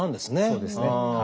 そうですねはい。